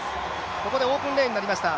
ここでオープンレーンになりました。